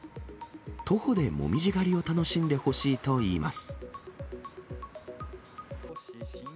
徒歩で紅葉狩りを楽しんでほしいといいます。